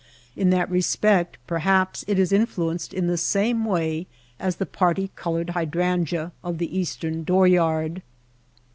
In that respect perhaps it is influenced in the same way as the parti colored hydrangea of the eastern dooryard.